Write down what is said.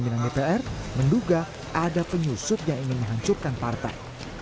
fahri yang masih duduk di kursi pimpinan dpr menduga ada penyusup yang ingin menghancurkan partai